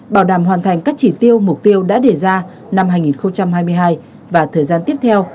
bảo đảm hoàn thành các chỉ tiêu mục tiêu đã đề ra năm hai nghìn hai mươi hai và thời gian tiếp theo